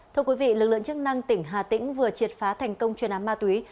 thưa quý vị lực lượng chức năng tỉnh hà tĩnh vừa triệt phá thành công chuyên án ma túy